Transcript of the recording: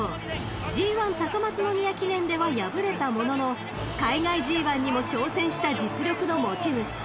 ［ＧⅠ高松宮記念では敗れたものの海外ＧⅠにも挑戦した実力の持ち主］